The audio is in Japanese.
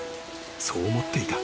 ［そう思っていた。